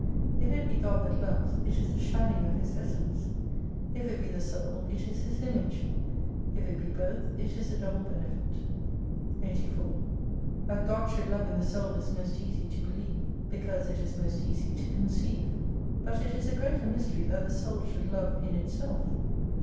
If it be God that loves, it is the shining of His essence ; if it be the Soul, it is His Image : if it be both, it is a double benefit. 302 84 That God should love in the Soul is most easy to believe, because it is most easy to conceive. But it is a greater mystery that the Soul should love in itself.